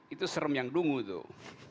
itu serem yang dungu tuh